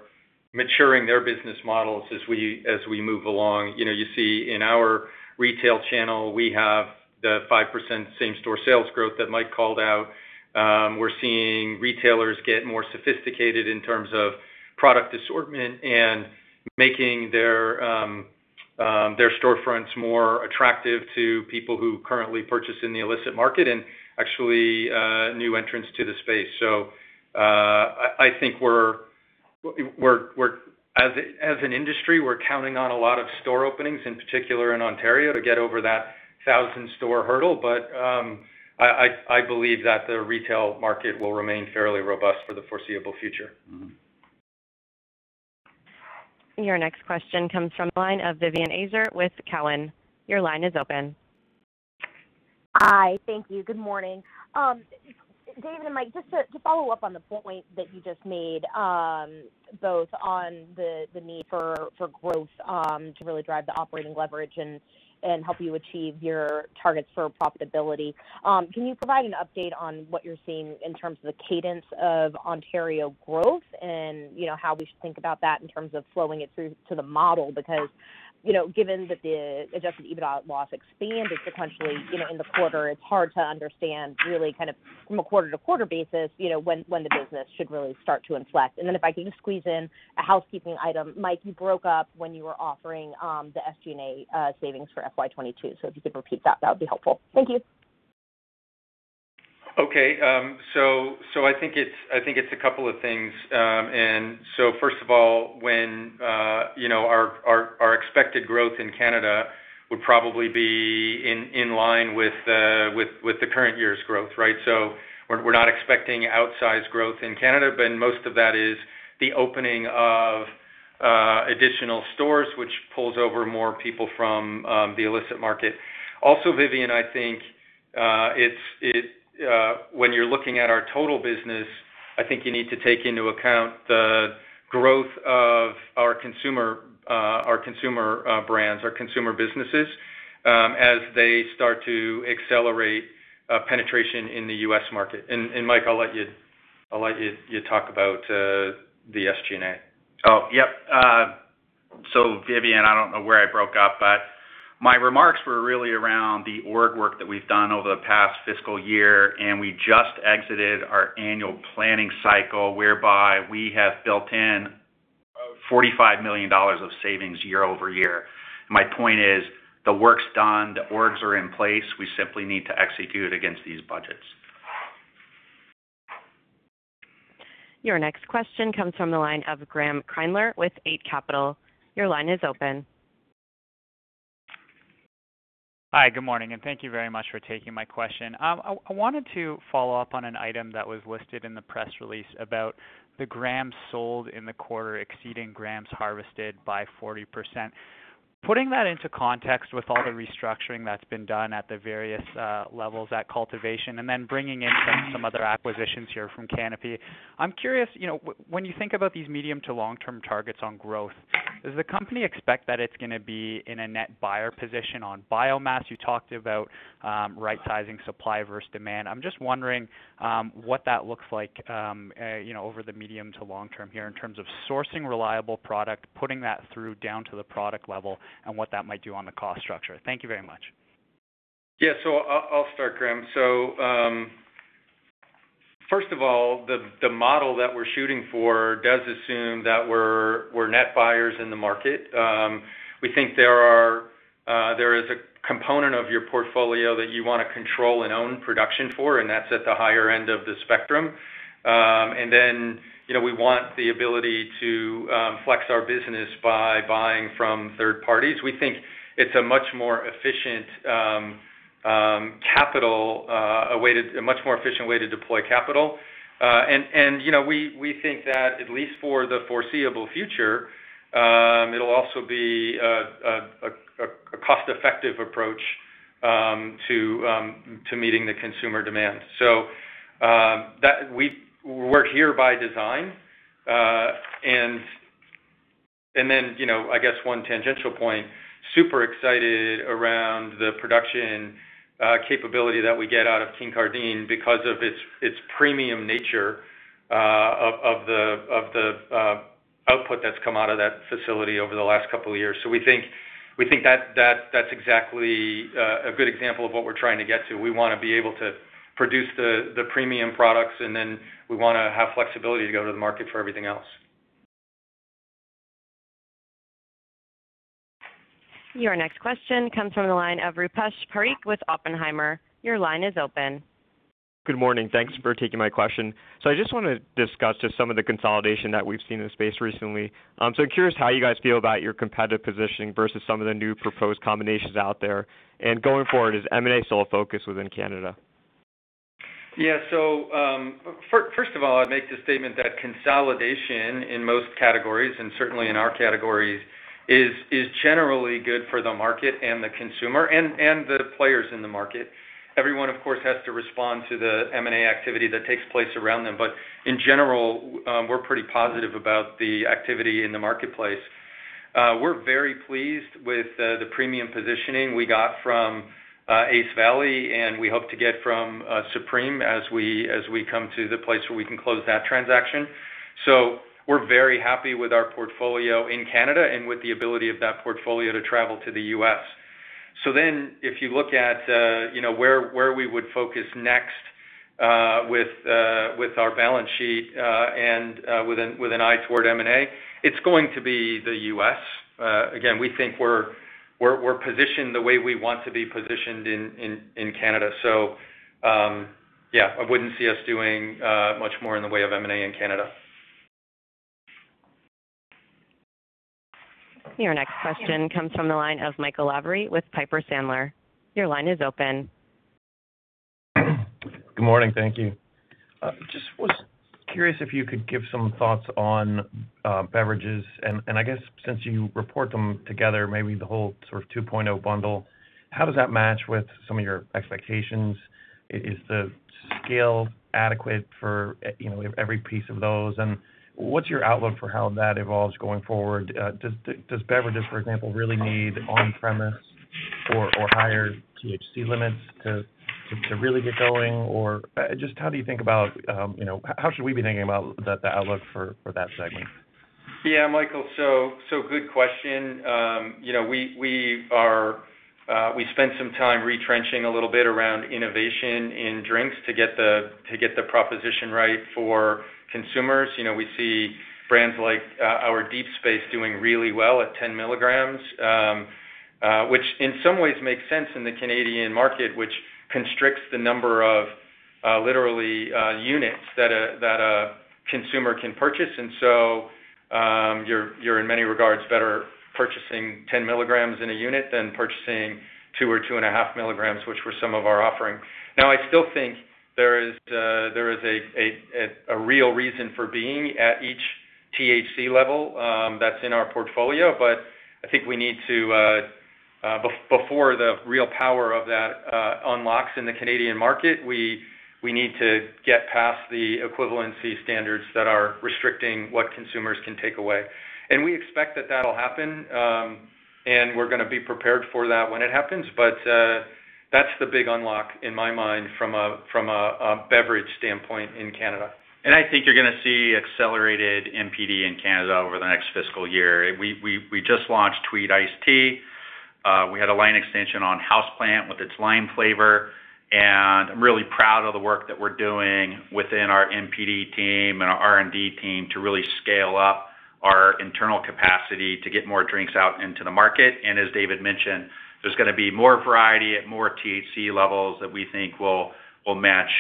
maturing their business models as we move along. You see in our retail channel, we have the 5% same-store sales growth that Mike called out. We're seeing retailers get more sophisticated in terms of product assortment and making their storefronts more attractive to people who currently purchase in the illicit market and actually new entrants to the space. I think as an industry, we're counting on a lot of store openings, in particular in Ontario, to get over that thousand-store hurdle. I believe that the retail market will remain fairly robust for the foreseeable future. Your next question comes from the line of Vivien Azer with Cowen. Your line is open. Hi. Thank you. Good morning. David and Mike, just to follow up on the point that you just made both on the need for growth to really drive the operating leverage and help you achieve your target store profitability. Can you provide an update on what you're seeing in terms of the cadence of Ontario growth and how we should think about that in terms of flowing it through to the model? Given that the adjusted EBITDA loss expanded potentially in the quarter, it's hard to understand really from a quarter-to-quarter basis when the business should really start to inflect. If I can squeeze in a housekeeping item. Mike, you broke up when you were offering the SG&A savings for FY 2022. If you could repeat that would be helpful. Thank you. Okay. I think it's a couple of things. First of all, our expected growth in Canada would probably be in line with the current year's growth, right? We're not expecting outsized growth in Canada, but most of that is the opening of additional stores, which pulls over more people from the illicit market. Also, Vivien, I think when you're looking at our total business, I think you need to take into account the growth of our consumer brands, our consumer businesses, as they start to accelerate penetration in the U.S. market. Mike, I'll let you talk about the SG&A. Oh, yep. Vivien, I don't know where I broke up, my remarks were really around the org work that we've done over the past fiscal year, and we just exited our annual planning cycle, whereby we have built in 45 million dollars of savings year-over-year. My point is the work's done, the orgs are in place. We simply need to execute against these budgets. Your next question comes from the line of Graeme Kreindler with Eight Capital. Your line is open. Hi, good morning. Thank you very much for taking my question. I wanted to follow up on an item that was listed in the press release about the grams sold in the quarter exceeding grams harvested by 40%, putting that into context with all the restructuring that's been done at the various levels at cultivation, then bringing in some other acquisitions here from Canopy. I'm curious, when you think about these medium- to long-term targets on growth, does the company expect that it's going to be in a net buyer position on biomass? You talked about right-sizing supply versus demand. I'm just wondering what that looks like over the medium to long term here in terms of sourcing reliable product, putting that through down to the product level, and what that might do on the cost structure. Thank you very much. I'll start, Graeme. First of all, the model that we're shooting for does assume that we're net buyers in the market. We think there is a component of your portfolio that you want to control and own production for, and that's at the higher end of the spectrum. We want the ability to flex our business by buying from third parties. We think it's a much more efficient way to deploy capital. We think that at least for the foreseeable future, it'll also be a cost-effective approach to meeting the consumer demand. We're here by design. I guess one tangential point, super excited around the production capability that we get out of Kincardine because of its premium nature of the output that's come out of that facility over the last couple of years. We think that's exactly a good example of what we're trying to get to. We want to be able to produce the premium products, and then we want to have flexibility to go to the market for everything else. Your next question comes from the line of Rupesh Parikh with Oppenheimer. Your line is open. Good morning. Thanks for taking my question. I just want to discuss some of the consolidation that we've seen in the space recently. I'm so curious how you guys feel about your competitive positioning versus some of the new proposed combinations out there. Going forward, is M&A still a focus within Canada? First of all, I'd make the statement that consolidation in most categories, and certainly in our categories, is generally good for the market and the consumer and the players in the market. Everyone, of course, has to respond to the M&A activity that takes place around them. In general, we're pretty positive about the activity in the marketplace. We're very pleased with the premium positioning we got from Ace Valley, and we hope to get from Supreme as we come to the place where we can close that transaction. We're very happy with our portfolio in Canada and with the ability of that portfolio to travel to the U.S. If you look at where we would focus next with our balance sheet and with an eye toward M&A, it's going to be the U.S. We think we're positioned the way we want to be positioned in Canada. Yeah, I wouldn't see us doing much more in the way of M&A in Canada. Your next question comes from the line of Michael Lavery with Piper Sandler. Your line is open. Good morning. Thank you. Just was curious if you could give some thoughts on beverages, I guess since you report them together, maybe the whole sort of 2.0 bundle, how does that match with some of your expectations? Is the scale adequate for every piece of those? What's your outlook for how that evolves going forward? Does beverages, for example, really need on-premise or higher THC limits to really get going? Just how should we be thinking about the outlook for that segment? Michael, good question. We spent some time retrenching a little bit around innovation in drinks to get the proposition right for consumers. We see brands like our Deep Space doing really well at 10 mg, which in some ways makes sense in the Canadian market, which constricts the number of literally units that a consumer can purchase. You're in many regards better purchasing 10 mg in a unit than purchasing two or two and a half mg, which were some of our offerings. I still think there is a real reason for being at each THC level that's in our portfolio. I think before the real power of that unlocks in the Canadian market, we need to get past the equivalency standards that are restricting what consumers can take away. We expect that that will happen, and we're going to be prepared for that when it happens. That's the big unlock in my mind from a beverage standpoint in Canada. I think you're going to see accelerated NPD in Canada over the next fiscal year. We just launched Tweed Iced Tea. We had a line extension on Houseplant with its lime flavor, and really proud of the work that we're doing within our NPD team and our R&D team to really scale up our internal capacity to get more drinks out into the market. As David mentioned, there's going to be more variety at more THC levels that we think will match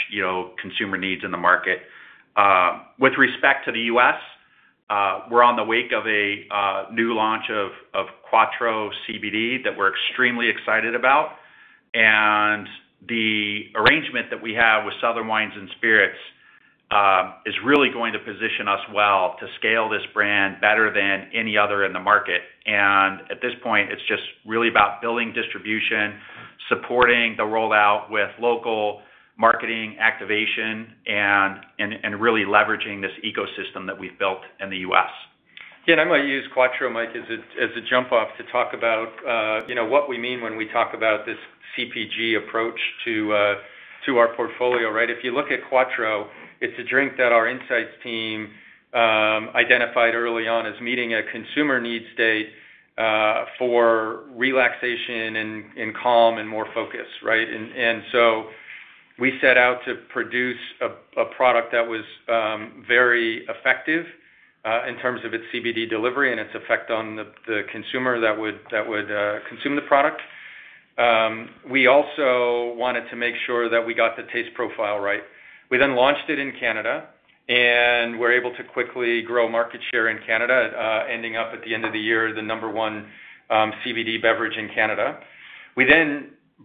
consumer needs in the market. With respect to the U.S., we're on the wake of a new launch of Quatreau CBD that we're extremely excited about. The arrangement that we have with Southern Glazer's Wine & Spirits, is really going to position us well to scale this brand better than any other in the market. At this point, it's just really about building distribution, supporting the rollout with local marketing activation, and really leveraging this ecosystem that we've built in the U.S. Again, I'm going to use Quatreau, Mike, as a jump-off to talk about what we mean when we talk about this CPG approach to our portfolio, right? If you look at Quatreau, it's a drink that our insights team identified early on as meeting a consumer need state for relaxation and calm and more focus, right? We set out to produce a product that was very effective in terms of its CBD delivery and its effect on the consumer that would consume the product. We also wanted to make sure that we got the taste profile right. We launched it in Canada, and were able to quickly grow market share in Canada, ending up at the end of the year, the number one CBD beverage in Canada. We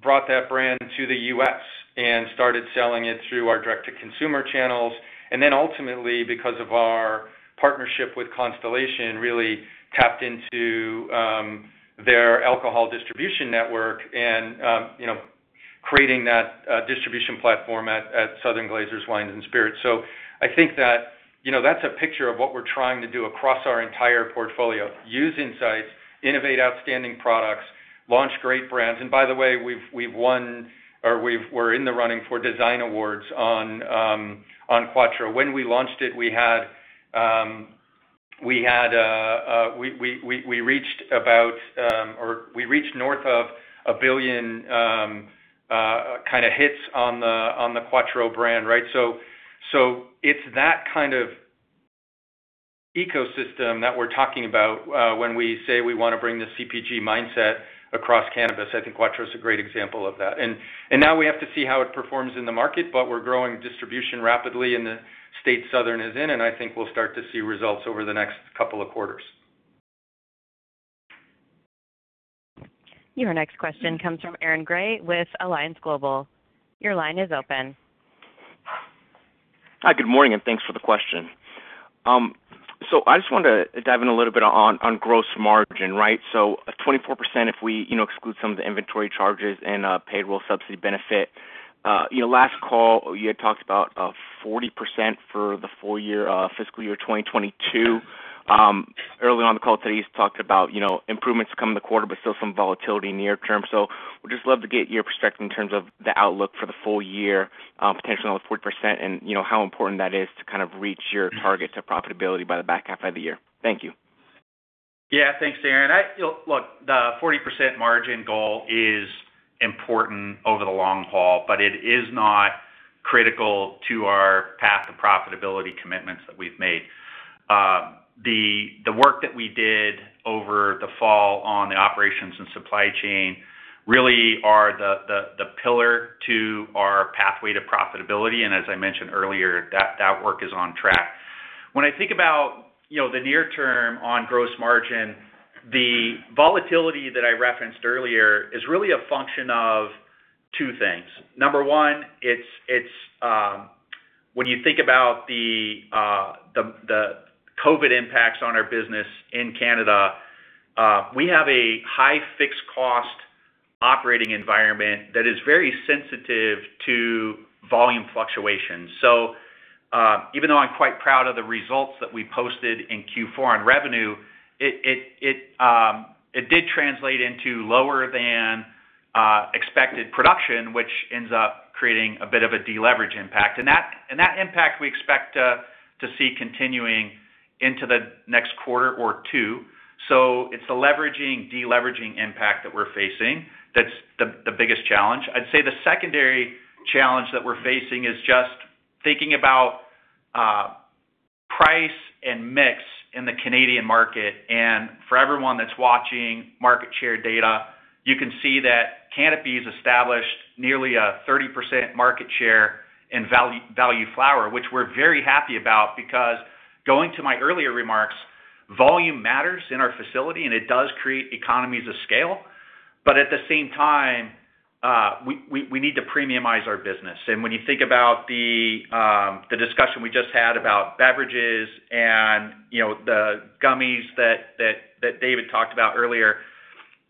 brought that brand to the U.S. and started selling it through our direct-to-consumer channels, and ultimately, because of our partnership with Constellation, really tapped into their alcohol distribution network and creating that distribution platform at Southern Glazer's Wine and Spirits. I think that's a picture of what we're trying to do across our entire portfolio, use insights, innovate outstanding products, launch great brands. By the way, we're in the running for design awards on Quatreau. When we launched it, we had. We reached north of 1 billion hits on the Quatreau brand, right? It's that kind of ecosystem that we're talking about when we say we want to bring the CPG mindset across cannabis. I think Quatreau is a great example of that. Now we have to see how it performs in the market, but we're growing distribution rapidly in the state Southern is in, and I think we'll start to see results over the next couple of quarters. Your next question comes from Aaron Grey with Alliance Global. Your line is open. Hi, good morning. Thanks for the question. I just wanted to dive in a little bit on gross margin, right? 24%, if we exclude some of the inventory charges and payroll subsidy benefit. Last call, you had talked about 40% for the full fiscal year 2022. Early on the call today, you talked about improvements coming the quarter, but still some volatility near term. Would just love to get your perspective in terms of the outlook for the full year, potentially on the 40%, and how important that is to kind of reach your target to profitability by the back half of the year. Thank you. Thanks, Aaron. Look, the 40% margin goal is important over the long haul, but it is not critical to our path to profitability commitments that we've made. The work that we did over the fall on the operations and supply chain really are the pillar to our pathway to profitability, and as I mentioned earlier, that work is on track. When I think about the near term on gross margin, the volatility that I referenced earlier is really a function of two things. Number one, when you think about the COVID-19 impacts on our business in Canada, we have a high fixed cost operating environment that is very sensitive to volume fluctuations. Even though I'm quite proud of the results that we posted in Q4 on revenue, it did translate into lower than expected production, which ends up creating a bit of a deleverage impact. That impact we expect to see continuing into the next quarter or two. It's the leveraging, deleveraging impact that we're facing that's the biggest challenge. I'd say the secondary challenge that we're facing is just thinking about price and mix in the Canadian market. For everyone that's watching market share data, you can see that Canopy has established nearly a 30% market share in value flower, which we're very happy about because going to my earlier remarks, volume matters in our facility, and it does create economies of scale. At the same time, we need to premiumize our business. When you think about the discussion we just had about beverages and the gummies that David talked about earlier,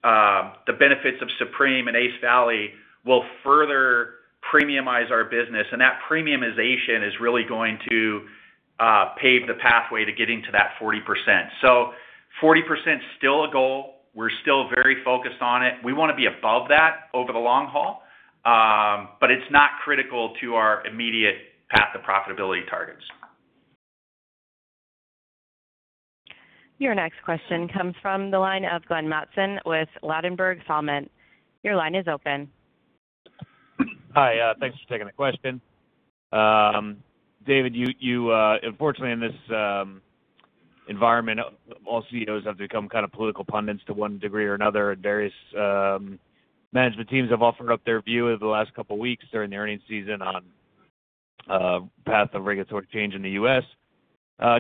the benefits of Supreme and Ace Valley will further premiumize our business, and that premiumization is really going to pave the pathway to getting to that 40%. 40% is still a goal. We're still very focused on it. We want to be above that over the long haul. It's not critical to our immediate path to profitability targets. Your next question comes from the line of Glenn Mattson with Ladenburg Thalmann. Your line is open. Hi. Thanks for taking the question. David, unfortunately in this environment, all CEOs have become kind of political pundits to one degree or another, and various management teams have offered up their view over the last couple of weeks during the earnings season on path of regulatory change in the U.S.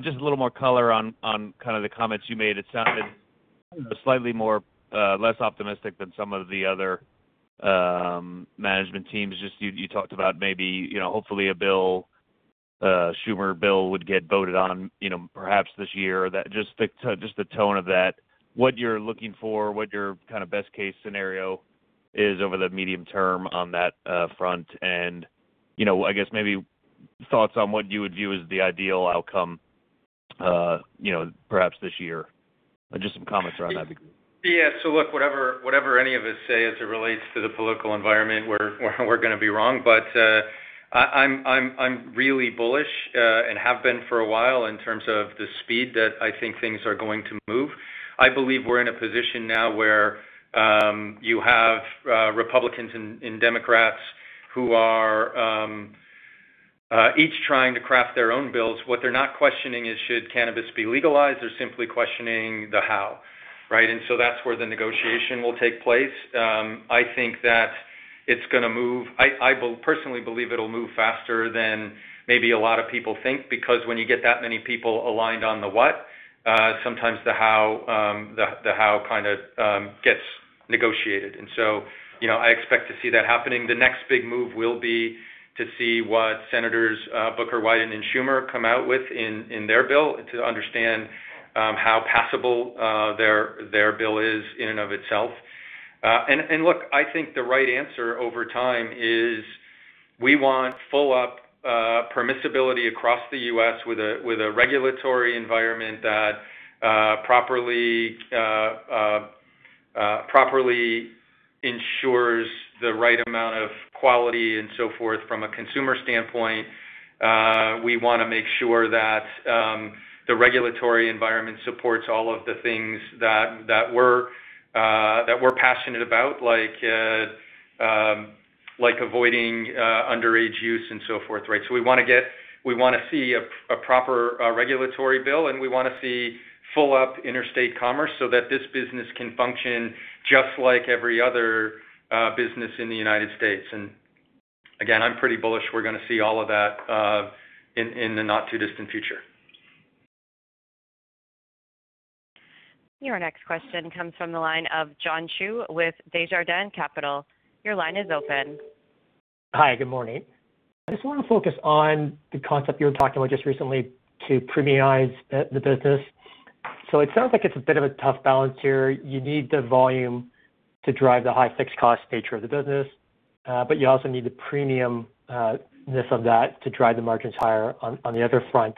Just a little more color on the comments you made. It sounded slightly less optimistic than some of the other management teams. Just you talked about maybe, hopefully a Schumer bill would get voted on perhaps this year, or just the tone of that. What you're looking for, what your kind of best case scenario is over the medium term on that front, I guess maybe thoughts on what you would view as the ideal outcome perhaps this year. Just some comments around that'd be great. Yeah. Look, whatever any of us say as it relates to the political environment, we're going to be wrong. I'm really bullish, and have been for a while, in terms of the speed that I think things are going to move. I believe we're in a position now where you have Republicans and Democrats who are each trying to craft their own bills. What they're not questioning is should cannabis be legalized, they're simply questioning the how, right? That's where the negotiation will take place. I think that it's going to move. I personally believe it'll move faster than maybe a lot of people think, because when you get that many people aligned on the what, sometimes the how kind of gets negotiated. I expect to see that happening. The next big move will be to see what Senators Booker, Wyden, and Schumer come out with in their bill to understand how passable their bill is in and of itself. Look, I think the right answer over time is we want full-up permissibility across the U.S. with a regulatory environment that properly properly ensures the right amount of quality and so forth from a consumer standpoint. We want to make sure that the regulatory environment supports all of the things that we're passionate about, like avoiding underage use and so forth. We want to see a proper regulatory bill, and we want to see full-up interstate commerce so that this business can function just like every other business in the United States. Again, I'm pretty bullish we're going to see all of that in the not-too-distant future. Your next question comes from the line of John Chu with Desjardins Capital. Hi, good morning. I just want to focus on the concept you were talking about just recently to premiumize the business. It sounds like it's a bit of a tough balance here. You need the volume to drive the high fixed cost nature of the business, but you also need the premiumness of that to drive the margins higher on the other front.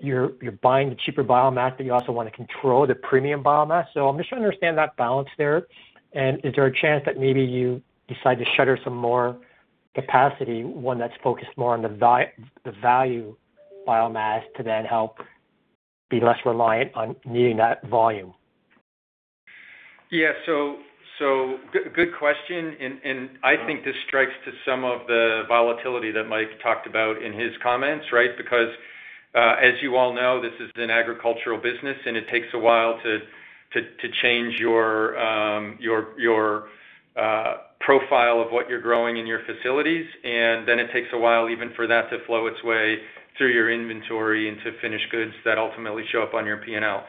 You're buying the cheaper biomass, but you also want to control the premium biomass. I'm just trying to understand that balance there, and is there a chance that maybe you decide to shutter some more capacity, one that's focused more on the value biomass to then help be less reliant on needing that volume? Good question, I think this strikes to some of the volatility that Mike talked about in his comments, right? As you all know, this is an agricultural business, and it takes a while to change your profile of what you're growing in your facilities. Then it takes a while even for that to flow its way through your inventory into finished goods that ultimately show up on your P&L.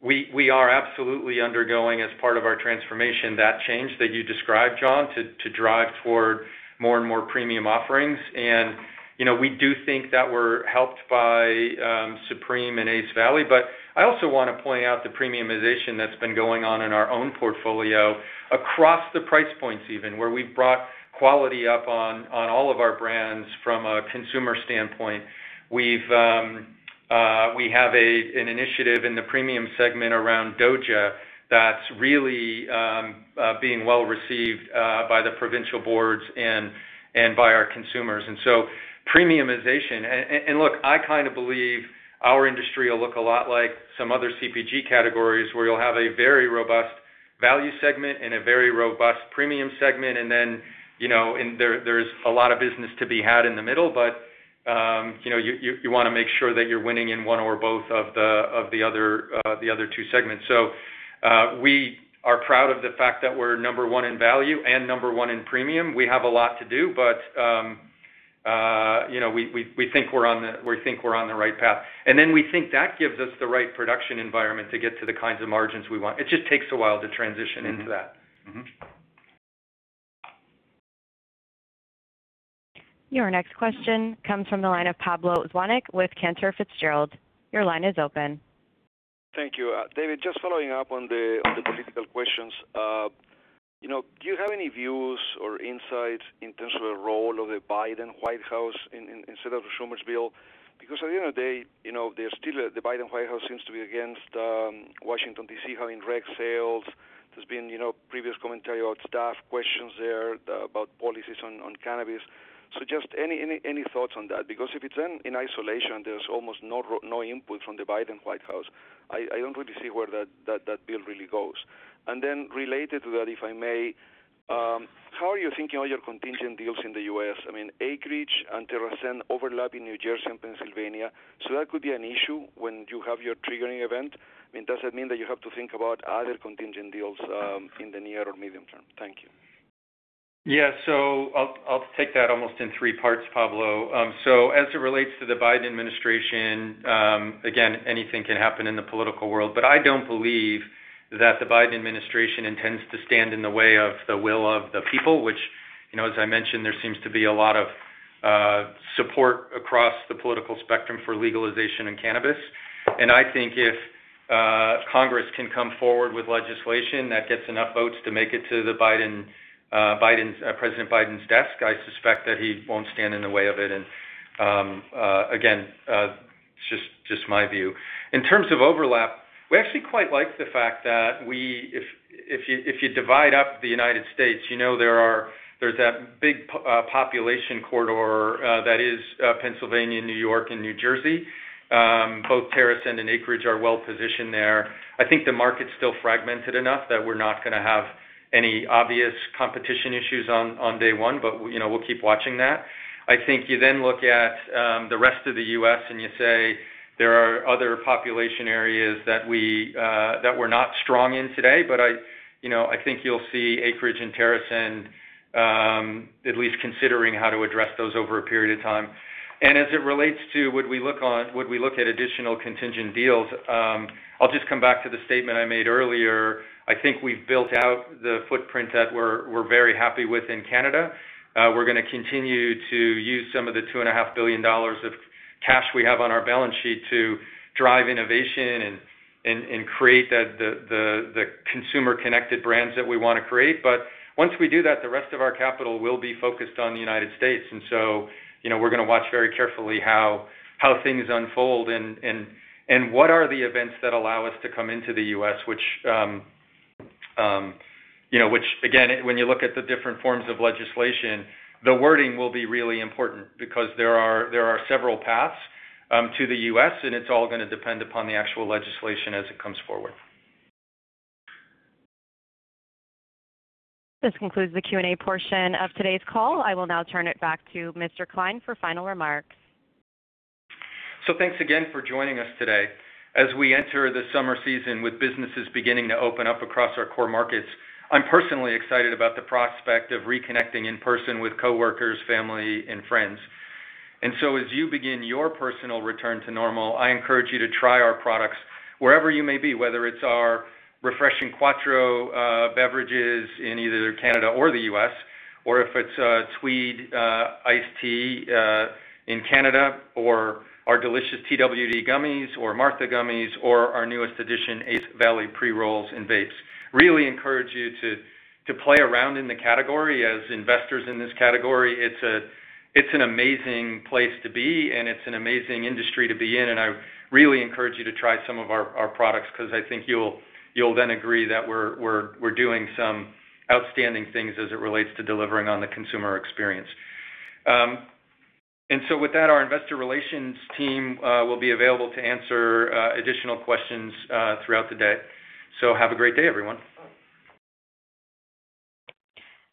We are absolutely undergoing, as part of our transformation, that change that you described, John, to drive toward more and more premium offerings. We do think that we're helped by Supreme and Ace Valley. I also want to point out the premiumization that's been going on in our own portfolio across the price points even, where we've brought quality up on all of our brands from a consumer standpoint. We have an initiative in the premium segment around DOJA that's really being well-received by the provincial boards and by our consumers. Premiumization. Look, I believe our industry will look a lot like some other CPG categories, where you'll have a very robust value segment and a very robust premium segment. There's a lot of business to be had in the middle, but you want to make sure that you're winning in one or both of the other two segments. We are proud of the fact that we're number one in value and number one in premium. We have a lot to do, but we think we're on the right path. We think that gives us the right production environment to get to the kinds of margins we want. It just takes a while to transition into that. Your next question comes from the line of Pablo Zuanic with Cantor Fitzgerald. Your line is open. Thank you. David, just following up on the political questions. Do you have any views or insights in terms of the role of the Biden White House instead of the Schumer bill? Because at the end of the day, the Biden White House seems to be against Washington, D.C. having rec sales. There's been previous commentary about staff questions there about policies on cannabis. Just any thoughts on that? Because if it's then in isolation, there's almost no input from the Biden White House. I don't really see where that bill really goes. Then related to that, if I may, how are you thinking about your contingent deals in the U.S.? Acreage and TerrAscend overlap in New Jersey and Pennsylvania, so that could be an issue when you have your triggering event. Does that mean that you have to think about other contingent deals in the near or medium term? Thank you. I'll take that almost in three parts, Pablo. As it relates to the Biden administration, again, anything can happen in the political world. I don't believe that the Biden administration intends to stand in the way of the will of the people, which, as I mentioned, there seems to be a lot of support across the political spectrum for legalization of cannabis. I think if Congress can come forward with legislation that gets enough votes to make it to President Biden's desk, I suspect that he won't stand in the way of it. Again, it's just my view. In terms of overlap, we actually quite like the fact that if you divide up the U.S., there's that big population corridor that is Pennsylvania, New York, and New Jersey. Both TerrAscend and Acreage are well-positioned there. I think the market's still fragmented enough that we're not going to have any obvious competition issues on day one, but we'll keep watching that. I think you then look at the rest of the U.S., and you say there are other population areas that we're not strong in today, but I think you'll see Acreage and TerrAscend at least considering how to address those over a period of time. As it relates to when we look at additional contingent deals, I'll just come back to the statement I made earlier. I think we've built out the footprint that we're very happy with in Canada. We're going to continue to use some of the 2.5 billion dollars of cash we have on our balance sheet to drive innovation and create the consumer-connected brands that we want to create. Once we do that, the rest of our capital will be focused on the United States. We're going to watch very carefully how things unfold, and what are the events that allow us to come into the U.S., which again, when you look at the different forms of legislation, the wording will be really important because there are several paths to the U.S., and it's all going to depend upon the actual legislation as it comes forward. This concludes the Q&A portion of today's call. I will now turn it back to Mr. Klein for final remarks. Thanks again for joining us today. As we enter the summer season with businesses beginning to open up across our core markets, I'm personally excited about the prospect of reconnecting in person with coworkers, family, and friends. As you begin your personal return to normal, I encourage you to try our products wherever you may be, whether it's our refreshing Quatreau beverages in either Canada or the U.S., or if it's Tweed Iced Tea in Canada, or our delicious Twd. Gummies or Martha Gummies, or our newest addition, Ace Valley pre-rolls and vapes. Really encourage you to play around in the category. As investors in this category, it's an amazing place to be, and it's an amazing industry to be in, and I really encourage you to try some of our products because I think you'll then agree that we're doing some outstanding things as it relates to delivering on the consumer experience. With that, our investor relations team will be available to answer additional questions throughout the day. Have a great day, everyone.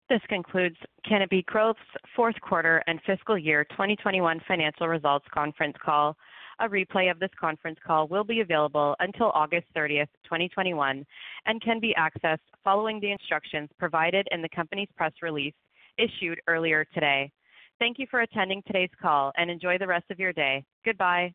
This concludes Canopy Growth's fourth quarter and fiscal year 2021 financial results conference call. A replay of this conference call will be available until August 30th, 2021, and can be accessed following the instructions provided in the company's press release issued earlier today. Thank you for attending today's call, and enjoy the rest of your day. Goodbye.